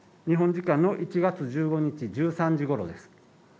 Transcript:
日本時間の１月１５日１３時頃です。